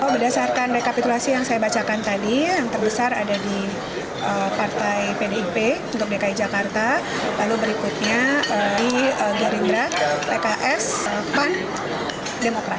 berdasarkan rekapitulasi yang saya bacakan tadi yang terbesar ada di partai pdip untuk dki jakarta lalu berikutnya di gerindra pks pan demokrat